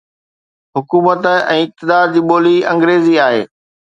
حڪومت ۽ اقتدار جي ٻولي انگريزي آهي.